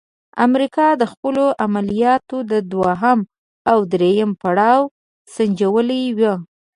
امریکا د خپلو عملیاتو دوهم او دریم پړاو سنجولی وو.